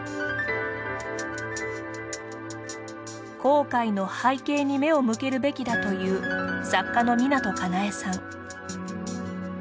後悔の背景に目を向けるべきだという作家の湊かなえさん。